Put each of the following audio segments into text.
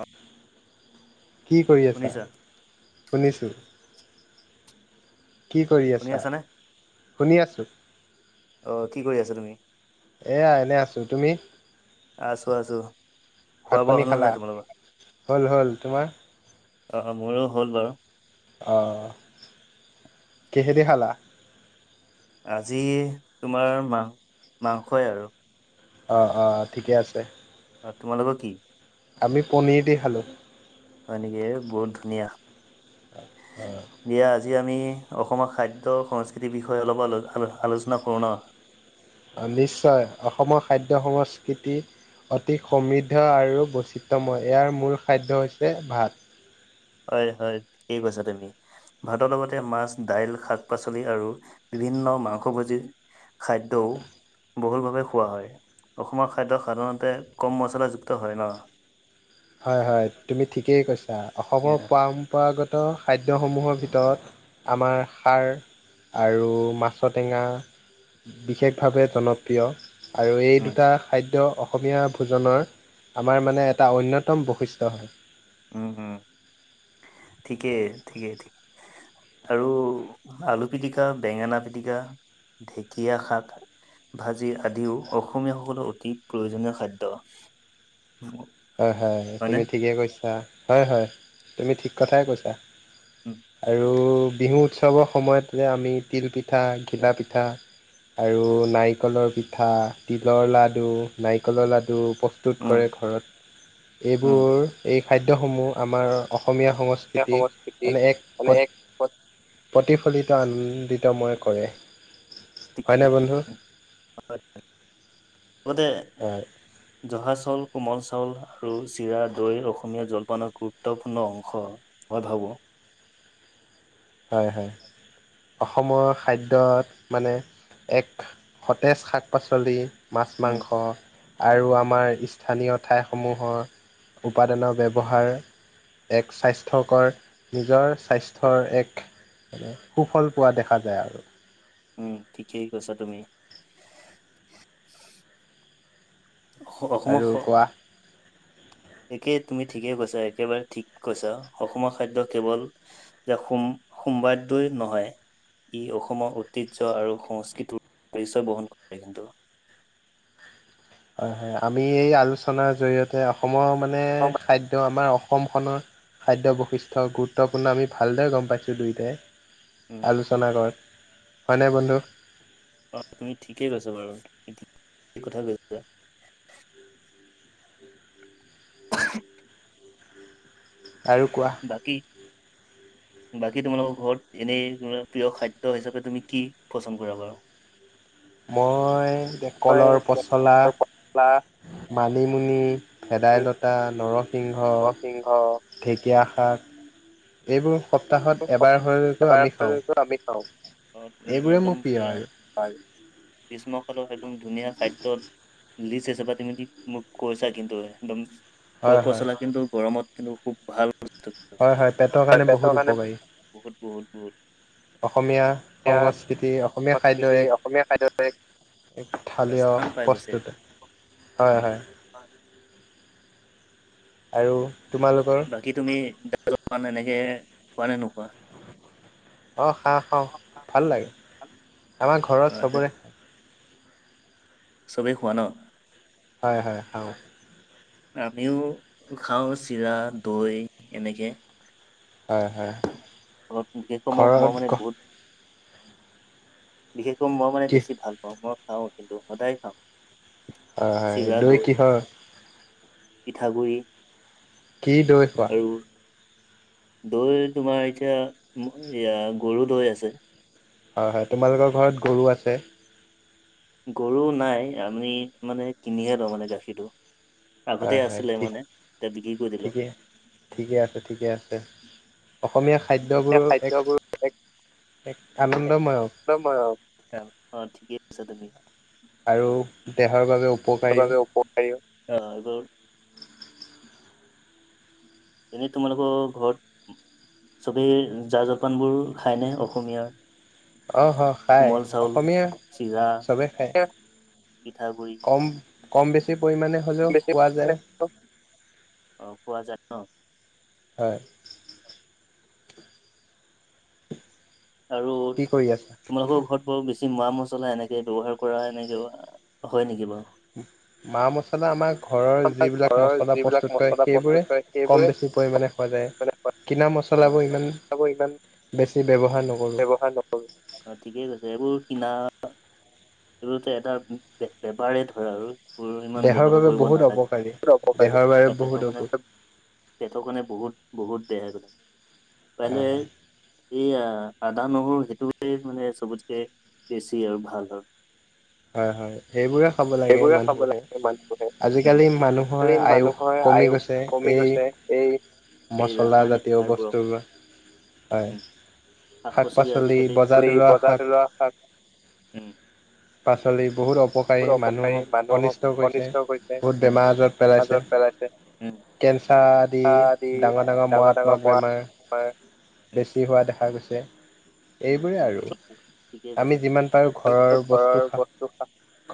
অ কি কৰি আছা? শুনিছা শুনিছোঁ। কি কৰি শুনি আছা? আছানে শুনি আছোঁ। অ', কি কৰি আছা তুমি? এয়া, এনে আছো। তুমি? আছো আছো খোৱা ভাত- বোৱা পানী হ'ল নে খালা? নাই তোমালোকৰ হ'ল হ'ল। তোমাৰ? অ, অ মোৰো হ'ল বাৰু। অঁ, কিহেদি খালা? আজি, তোমাৰ মাং- মাংসই আৰু। অঁ, অঁ, ঠিকে আছে। তোমালোকৰ কি? আমি পনীৰ দি খালোঁ। হ'য় নেকি? বহুত ধুনীয়া। অঁ, অঁ দিয়া আজি আমি অসমৰ খাদ্য সংস্কৃতিৰ বিষয়ে অলপ আলো আলো আলোচনা কৰোঁ ন'? অঁ, নিশ্চয় অসমৰ খাদ্য সংস্কৃতি অতি সমৃদ্ধ আৰু বৈচিত্ৰময়। ইয়াৰ মূল খাদ্য হৈছে ভাত। হ'য়, হ'য়, ঠিকেই কৈছা তুমি। ভাতৰ লগতে মাছ, দাইল, শাক- পাচলি আৰু বিভিন্ন মাংসভোজী খাদ্যওঁ বহুলভাৱে খোৱা হ'য়, অসমৰ খাদ্য সাধাৰণতে কম মছলাযুক্ত হয় ন'? হ'য়, হ'য় তুমি ঠিকেই কৈছা, এ, অসমৰ পৰম্পৰাগত খাদ্যসমূহৰ ভিতৰত আমাৰ খাৰ আৰু মাছৰ টেঙা বিশেষভাৱে জনপ্ৰিয় আৰু এই উম দুটা খাদ্য অসমীয়া ভোজনৰ আমাৰ মানে, এটা অন্যত ন্যতম বৈশিষ্ট্য হ'য় ঠিকে, ঠিকে, ঠিক্‌ আৰু আলু পিটিকা, বেঙেনা পিটিকা, ঢেকীয়া শাক ভাজি আদিও অসমীয়াসকলৰ অতি প্ৰয়োজনীয় খাদ্য। হ'য়, হ'য়, হয়নে তুমি ঠিকেই কৈছা। হ'য়, হ'য় তুমি ঠিক্‌ কথাই কৈছা। উম আৰু বিহু উৎসৱৰ সময়ত যে আমি তিল পিঠা, ঘিলা পিঠা। আৰু নাৰিকলৰ পিঠা, তিলৰ লাডু, নাৰিকলৰ লাডু প্ৰস্তুত উম কৰে ঘৰত। উম এইবোৰ এই খাদ্যসমূহ আমাৰ অস অসমীয়া সংস্কৃতিক এনে এক পদ প্ৰতিফলিত আনন্দিতময় কৰে। হ'য় নে বন্ধু? লগতে হয় জহা চাউল, কোমল চাউল আৰু চিৰা, দৈ অসমীয়া জল্‌ মানে গুৰুত্বপূৰ্ণ অংশ। মই ভাৱো হ'য়, হ'য়। অসমৰ খাদ্যত মানে, এক সতেজ শাক -পাচলি মাছ- উম মাংস আৰু আমাৰ স্থানীয় ঠাইসমূহৰ উপাদানৰ ব্যৱহাৰ এক স্বাস্থ্যকৰ, নিজৰ স্বাস্থ্যৰ এক সুফল পোৱা দেখা যায় আৰু উম, ঠিকেই কৈছা তুমি। অসম্‌ অসমৰ খ' উ। একে তুমি ঠিকে কৈছা, একেবাৰে ঠিক কৈছা। অসমৰ খাদ্য কেৱল যে সোম সোমবাদ্যই নহয়। ই অসমৰ ঐতিহ্য আৰু সংস্কৃতিৰ পৰিচয় বহন কৰে কিন্তু। হয়, হয় আমি এই আলোচনাৰ জৰিয়তে অসমৰ মানে খাদ্য আমাৰ অসমখনৰ খাদ্য বৈশিষ্ট্য গুৰুত্বপূৰ্ণ আমি ভালদৰে গম পাইছোঁ উম দুয়োটাই। আলোচনা কৰে। হয়নে বন্ধু? অ, তুমি ঠিকেই কৈছা বাৰু, ঠিক কথা কৈছা। [inaudible] আৰু কোৱা? বাকী [inaudible] বাকী তোমালোকৰ ঘৰত এনেই প্ৰিয় খাদ্য হিচাপে তুমি কি পচন্দ কৰা বাৰু? মই মই কলৰ পচলা পচলা মানিমুনি, ভেদাইলতা, নৰস সিংহ, নৰসিংহ ঢেকীয়া শাক এইবোৰ সপ্তাহত এবাৰ হলেতো আমি খাওঁ। এবাৰ আমি খাওঁ তুমি এইবোৰে একদম মোৰ প্ৰিয় পুৰা আৰু [unintelligible] গ্ৰীষ্মকালৰ একদম ধুনীয়া খাদ্যৰ লিষ্ট হিচাপে তুমি মোক কৈছা কিন্তু একদম হয় কল হয় পচলা কিন্তু গৰমত কিন্তু খুব ভাল বস্তু, কিন্তু হয় হয় পেটৰ বহুত কাৰণে উপকাৰী। বহুত বহুত বহুত অসমীয়া অসমীয়া সংস্কৃতি অসমীয়া খাদ্য সংস্কৃতি এক অসমীয়া খাদ্যই এক এটা থালিয় স্থান পাই গৈছে প্ৰস্তুত উম, হয়। আৰু তোমালোকৰ বাকী তুমি দাল ন এনেকে পোৱা নে নোখোৱা? [unintelligible] অ, খা-খাওঁ ভাল লাগে। আমাৰ ঘৰত অ' যে চবৰে চবেই খোৱা ন? হয় হয় খাওঁ। আমিও খাওঁ চিৰা, দৈ এনেকে হয় হয় সেইসমূহ ঘৰত মই মানে বহুত বিশেষকৈ মই মানে কি বেছি ভাল পাওঁ মই খাওঁ কিন্তু সদায় খাওঁ। হয়, হয় দৈ কিহৰ পিঠাগুড়ি কি দৈ খোৱা? দৈ, তোমাৰ এতিয়া এয়া গৰু দৈ আছে। হয়, হয় তোমালোকৰ ঘৰত গৰু আছে। গৰু নাই। আমি মানে কিনিহে লওঁ মানে গাখীৰটো। হয় আগতে হয় আছিলে ঠিক মানে এতিয়া বিক্ৰী কৰি দিলো। ঠিকে ঠিকে আছে, ঠিকে আছে। অসমীয়া এতিয়া খাদ্যবোৰৰ এক খাদ্যবোৰ এক এক আনন্দময়ক অ, ঠিকেই আছা তুমি। [unintelligible] আৰু দেহৰ বাবে উপকাৰীও। অব [unintelligible] এনেই তোমালোকৰ ঘৰত চবেই জা-জলপানবোৰ খায়নে অসমীয়াৰ? অ হ খায় কোমল চাউল, অসমীয়া চিৰা। চবে খায় পিঠাগুড়ি। কম কম বেছি পৰিমাণে হ'লেও খোৱা যায়। অ, পোৱা যাত ন? হয়। আৰু কি কৰি আছা তোমালোকৰ ঘৰত বাৰু বেছি মা-মছলা এনেকে ব্যৱহাৰ কৰা এনেকে হয় নেকি বাৰু? মা -মচলা আমাৰ ঘৰৰ আমাৰ যিবিলাক ঘৰৰ মচলা যিবিলাক প্ৰস্তুত কৰে মছলা প্ৰস্তুত সেইবোৰে কৰে কম সেইবোৰে বেছি পৰিমাণে খোৱা যায়, কিনা অ', মচলাবোৰ অ'। ইমান বোৰ ইমান বেছি ব্যৱহাৰ নকৰোঁ ব্যৱহাৰ নকৰোঁ। অ ঠিকে কৈছে এইবোৰ কিনা এইবোৰতো, এটা বে বেপাৰে ধৰা আৰু বোৰ ইমান দেহৰ ব্যৱহাৰ বাবে কৰিব বহুত অপকাৰী নালাগে। অপকাৰী, দেহৰ বাবে বহুত তাকেটো মানে অপকাৰ পেটৰ কাৰণে বহুত- বহুত বেয়া আৰু হয়, হয়। এইয়া আদা নহৰু সেইটোৱে মানে চবতকে বেছি আৰু ভাল হয় [inaudible] হয় হয় সেইবোৰে খাব লাগে সেইবোৰে খাব মানুহে লাগে মানুহে। উম। আজিকালি মানুহৰ খালি আয়ুস মানুহৰ কমি আয়ুস গৈছে কমি এই গৈছে এই এই ৰাসায়নিক মচলাজাতীয় সাৰবোৰৰ বস্তুবোৰ হয়। উম, শাক পাচলি বজাৰত ওলোৱা শাক। উম। পাচলি বহুত অপকাৰী অপকাৰী মানুহক অনিষ্ট মানুহক কৰিছে অনিষ্ট কৰিছে। বহুত উম বেমাৰ আজাৰত পেলাইছে মাজত প্ৰায় চলাইছে, উম কেঞ্চাৰ আদি ডাঙৰ ডাঙৰ মৰাত্মক বেমাৰ। হয়। উম, বেছি হোৱা দেখা গৈছে। উম, এইবোৰে উম, আৰু ঠিকে ঠিকেই কৈছা আমি তুমি, যিমান পাৰোঁ ঠিকেই কৈছা। ঘৰৰ বস্ত- টো খা বস্তু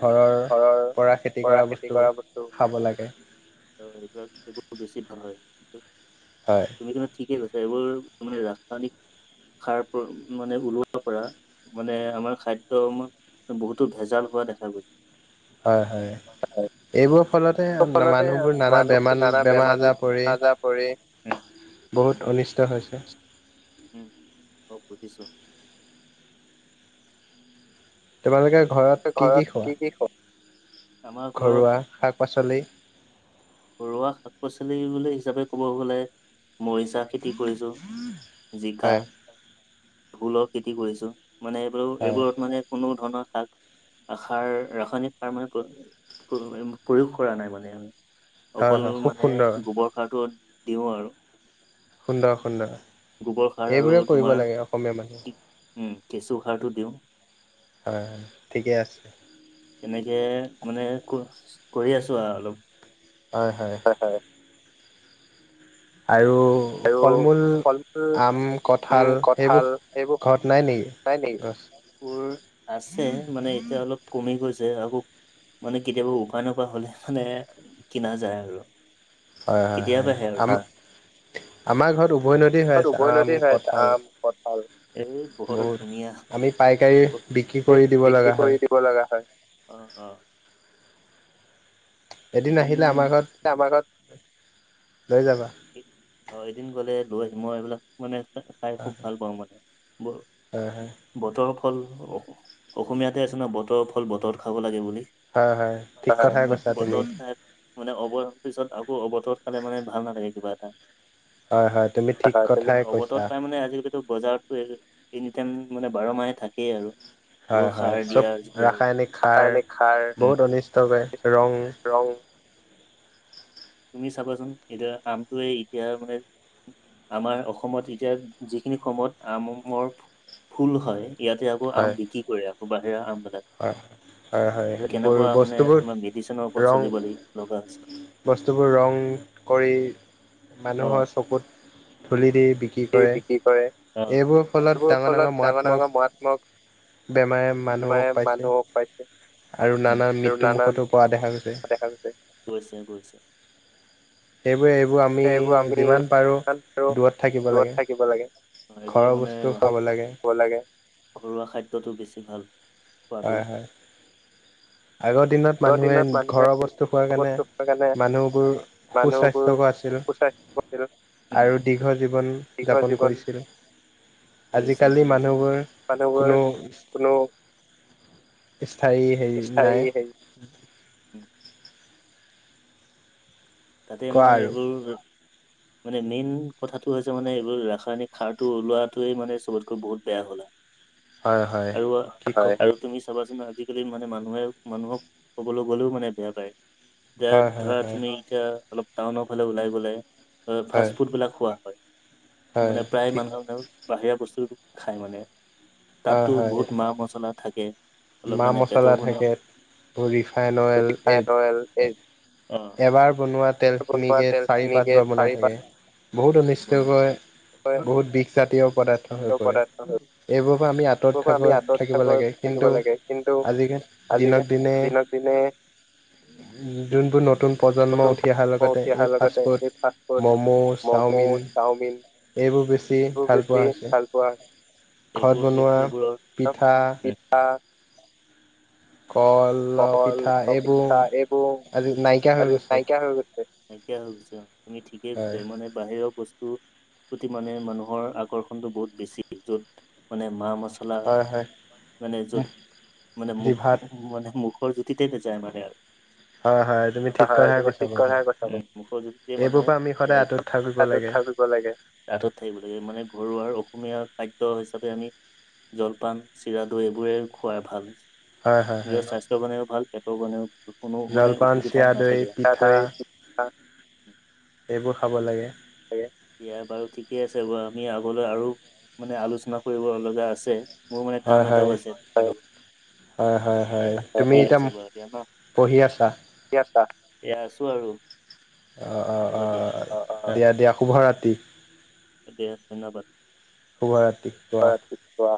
ঘৰৰ পৰা খেতি কৰা বস্তু খাব লাগে। এইবিলাক এইবোৰ বেছি ভাল হয়। হয় তুমি কিন্তু ঠিকে কৈছা এইবোৰ মানে ৰাসায়নিক সাৰ প্ৰ- মানে ওলোৱাৰ পৰা মানে আমাৰ খাদ্যসমূহ বহুতো ভেজাল হোৱা দেখা গৈছ- হয় হয় এইবোৰ- ফলতে ফলতে মানুহবোৰ নানা মানুহৰ বেমাৰ নানা বেমাৰ আজাৰ আজাৰ উম পৰি- বহুত অনিষ্ট হৈছে। অ বুজিছো। তোমালোকে ঘৰত কি কি খোৱা? আমাৰ ঘৰত ঘৰুৱা শাক পাচলি ঘৰুৱা শাক পাচলি বুলি হিচাপে ক'ব গ'লে মৰিচা খেতি কৰিছোঁ জিকা, হয় ভোলৰ খেতি কৰিছোঁ। মানে এইবোৰ হয় এইবোৰত মানে কোনো ধৰণৰ শাক আসাৰ ৰাসায়নিক সাৰ মানে, প্ৰয়ো প্ৰয়োগ প্ৰয়োগ কৰা নাই মানে আৰু। হয় অকল হয় খুব মানে, সুন্দৰ গোবৰ সাৰটো দিওঁ আৰু। সুন্দৰ সুন্দৰ, গোবৰ সাৰ আৰু এইবোৰে কৰিব তোমাৰ লাগে অসমীয়া মানুহ। কি- উম কেঁচু সাৰটো দিওঁ। অহ ঠিকে আছে। তেনেকে মানে ক কৰি আছোঁ আৰু অলপ। হয় হয়। আৰু আৰু ফল-মূল ফল মূল আম, আম কঁঠাল কঠাল সেইবোৰ এইবোৰ ঘৰত নাই নেকি? নাই নেকি? আছ- বোৰ আছে মানে এতিয়া অলপ কমি গৈছে। যে আকৌ, মানে কেতিয়াবা উপায় নোপোৱা হ'লে মানে কিনা যায় আৰু। হয় হয় হয় কেতিয়াবাহে আৰু। আম- আমাৰ আমাৰ ঘৰত উভৈ নদী হৈ ঘৰত আছে আম, উভৈনদী হৈ আছে কঁঠাল আম কঠাল। এই বৰ ধুনীয়া। বহুত আমি পা- পাইকাৰী বিক্ৰী কৰি দিব বিক্ৰী লগা কৰি হয়। দিব লগা হয়। অ', অ', এদিন, আহিলে আমাৰ ঘৰত আমাৰ ঘৰত লৈ যাবা অ এদিন গ'লে লৈ মই এইবিলাক মানে খাই খুব ভাল পাওঁ মানে, ব হয় হয় বতৰৰ ফল অস অসমীয়াতে আছে ন বতৰৰ ফল বতৰত খাব লাগে বুলি। হয় হয় ঠিক হয়। কথাই মানে কৈছা তুমি। বতৰত খাই মানে অবয় পিছত আকৌ অৱতৰত খালে মানে ভাল নাথাকে কিবা এটা। হয় হয় তুমি ঠিক হয় হয় কথাই মানে অৱতৰত কৈছা পাই মানে আজিকালিতো বজাতটো এনি টাইম। মানে বাৰ মাহে থাকেই আৰু। এইবোৰ হয় হয় সাৰ চব দিয়া যেতিয়া ৰাসায়নিক সাৰ ৰাসায়নিক সাৰ উম বহুত অনিষ্ট কৰে ৰং ৰং তুমি চাবাচোন এতিয়া আমটো এই এতিয়া মানে আমাৰ অসমত এতিয়া যিখিনি সময়ত আমৰ ফুল হয়। ইয়াতে আকৌ আম হয় বিক্ৰী কৰে আকৌ বাহিৰা আম হয়, হয়, হয়, বৰ মানে বস্তুবোৰ তোমাৰ মেডিচিনৰ ওপৰত ৰং, চলিব লাগিব লগা হৈছে বস যিবোৰ ৰং কৰি, অ মানুহৰ চকুত, ধুলি দি বিকি কি দি কৰে, বিক্ৰী কৰে এইবোৰ ফলত এইবোৰ ডাঙৰ ডাঙৰ ডাঙৰ মৰাত্মক মাৰাত্মক বেমাৰে বেমাৰে মানুহক। পাইছে মানুহক পাইছে। নানা আৰু নানান, মৃত্যুমুখতো পৰা দেখা গৈছে দেখা গৈছে, গৈছে, গৈছে। সেইবোৰে এইবোৰ আমি এইবোৰ আমি যিমান পাৰোঁ, যিমান পাৰো দূৰত থাকি দূৰত থাকিব লাগে, এইবোৰ মানে, বস্তু খাব লাগে লাগে। ঘৰুৱা খাদ্যটো বেছি ভাল। খোৱাটো হয়, হয়, আগৰ দিনত আগৰ মানুহে ঘৰৰ মানুহে বস্তু খোৱাৰ কাৰণে, বস্তু খোৱাৰ কাৰণে মানুহবোৰ সু মানুহবোৰ স্বাস্থ্যও আছিল, সুস্বাস্থ্য আছিল। উম। আৰু দীৰ্ঘ জীৱন জীৱন, দীৰ্ঘ যাপন জীৱন কৰিছিল। কৰিছিল আজিকালি কৰিছিল। মানুহবোৰ, মানুহবোৰ কোনো কোনো স্থায়ী হেৰি স্থায়ী নাই হেৰি। তাতে কোৱা মানে আৰু এইবোৰ [unintelligible] মানে মেইন কথাটো হৈছে মানে এইবোৰ ৰাসায়নিক সাৰটো ওলোৱাটোৱে মানে চবতকৈ বহুত বেয়া হ'ল আৰু। হয় হয় আৰু কি হয়, ক আৰু তুমি চাবাচোন। আজিকালি মানে মানুহে মানুহক ক'বলৈ গ'লেও মানে বেয়া পায়, দিয়া হয় হয় ধৰা হয় তুমি এতিয়া অলপ টাউনৰ ফালে ওলাই গলে, হয় ফাষ্ট ফুড বিলাক খোৱা হয়। মানে হয় প্ৰায় ঠিক মানুহ [unintelligible] আৰু বাহিৰা বস্তু খায় মানে। হয় তাতো হয় বহুত মা মচলা থাকে। অলপ মা মানে পেটৰ মছলা কাৰণে থাকে ৰিফাইন অইল ৰিফাইন এট- অইল এই অ এবাৰ বনোৱা বনোৱা তেলখিনিকে চাৰি তেলখিনিকে পাঁচবাৰ বনাই চাৰি পাঁচ থাকে। বহুত অনিষ্ট বনাই কৰে, অ খাদ্য বহুত বিষজাতীয় পদাৰ্থ হৈ পৰে। পদাৰ্থ সেইবোৰৰ এইবোৰৰ পৰা আমি আঁতৰত পৰা থাকো আমি আঁতৰত থাক থাকিব লাগে থাকিব কিন্তু লাগে কিন্তু আজিকালি, দিনক আজিকালি দিনে দিনক দিনে যোনবোৰ নতুন, প্ৰজ জন্ম নতুন উঠি অহাৰ প্ৰজন্ম লগতে উঠি অহাৰ এই লগতে ফাষ্টফুড, এই fast food momo, momo chowmein. Chowmein এইবোৰ বেছি এইবোৰ ভাল বেছি পোৱা হৈছে। ভাল পোৱা হৈছে। ঘৰত এইবোৰ এই বনোৱা, এইবোৰৰ পিঠা পিঠা কল কল পিঠা এইবোৰ, পিঠা এইবোৰ আজি নাইকিয়া হৈ আজি গৈছে। [unintelligible] নাইকিয়া হৈ গৈছে, তুমি ঠিকে কৈছা হয় ইমানে বাহিৰৰ বস্তু [unintelligible] প্ৰতি মানুহে মানুহৰ আকৰ্ষণটো বহুত বেছি যিটো য'ত মানে মা মছ মছলা, হয় হয় মানে যত মানে জিভাত [unintelligible] মানে [unintelligible] [unintelligible] জুতিতে নেযায় মানে আৰু। হয়, হয়, তুমি ঠিক হয় কথাই তুমি কৈছা। ঠিক বন্ধু কথাই কৈছা, মুখৰ যুতিতেই মানে এইবোৰৰ পৰা আমি সদায় যায়গৈ, আঁতৰত থাকিব আঁতৰত লাগে থাকিব লাগে, আঁতৰত থাকিব লাগে। মানে ঘৰুৱাৰ অসমীয়া খাদ্য হিচাপে আমি, জলপান চিৰাদৈ এইবোৰেই খুৱাই ভাল। হয় হয় নিজৰ হয় স্বাস্থ্যৰ কাৰণেও ভাল পেটৰ কাৰণেও। জলপান চিৰাদৈ পি [unintelligible] এইবোৰ খাব লাগে সেইয়ে, এয়াই বাৰু ঠিকে আছে বাৰু আমি আও বোলো আৰু, মানে আলোচনা কৰিব লগা আছে, মোৰ মানে কাম হয় এটাও হয় আছে। হয় হয় হয় তুমি ঠিক এতিয়া আছে বাৰু দিয় ন', পঢ়ি আছা [unintelligible] এয়া আছো আৰু। অ অ হ'ব অ দিয়া অ দিয়া দিয়া শুভ ৰাতি। দিয়া ধন্যবাদ। শুভৰাতিৰ শুৱা। ৰাতিপুৱা